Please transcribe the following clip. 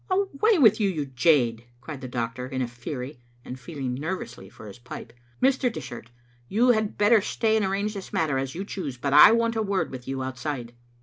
"Away with you, you jade," cried the doctor in a fury, and feeling nervously for his pipe. " Mr. Dishart, you had better stay and arrange this matter as you choose, but I want a word with you outside."